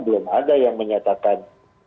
belum ada yang menyatakan